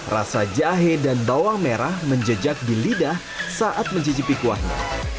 rasa jahe dan bawang merah menjejak di lidah saat mencicipi kuahnya